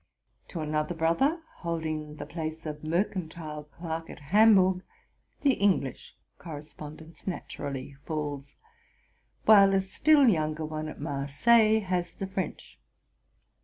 To another brother, holding the place of mercantile clerk at Hamburg, the Eng lish correspondence naturally falls ; while a still younger one at Marseilles has the French.